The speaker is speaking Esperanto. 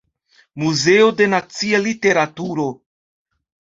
Muzeo de Nacia Literaturo.